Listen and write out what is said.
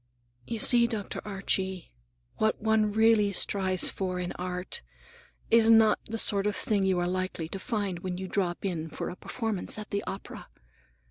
"You see, Dr. Archie, what one really strives for in art is not the sort of thing you are likely to find when you drop in for a performance at the opera.